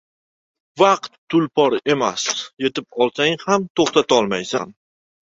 • Vaqt tulpor emas: yetib olsang ham to‘xtatolmaysan.